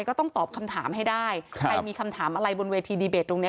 ก็ต้องตอบคำถามให้ได้ใครมีคำถามอะไรบนเวทีดีเบตตรงเนี้ย